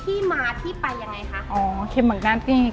ให้กำลังเล่าให้ฟังหน่อยว่าเข็มบักนัดเนี่ยมันมีที่มาที่ไปยังไงคะ